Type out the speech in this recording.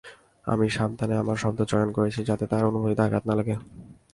আমি সাবধানে আমার শব্দ চয়ন করেছি যাতে তার অনুভূতিতে আঘাত না লাগে।